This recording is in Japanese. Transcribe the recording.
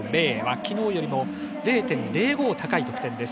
昨日より０．０５高い得点です。